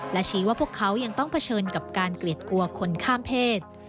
และชี้ว่าพวกเขายังต้องเผชิญกับการเกลียดกลัวคนข้ามเพศ